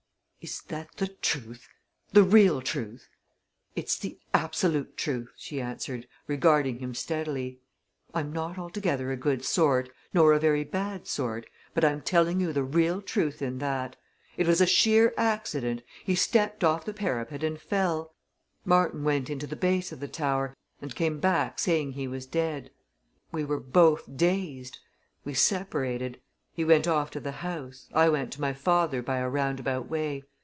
"Is that the truth the real truth?" "It's the absolute truth!" she answered, regarding him steadily. "I'm not altogether a good sort, nor a very bad sort, but I'm telling you the real truth in that. It was a sheer accident he stepped off the parapet and fell. Martin went into the base of the tower and came back saying he was dead. We were both dazed we separated. He went off to the house I went to my father by a roundabout way.